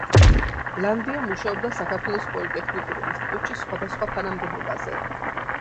ლანდია მუშაობდა საქართველოს პოლიტექნიკურ ინსტიტუტში სხვადასხვა თანამდებობაზე.